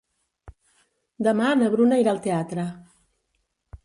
Demà na Bruna irà al teatre.